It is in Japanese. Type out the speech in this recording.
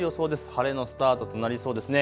晴れのスタートとなりそうですね。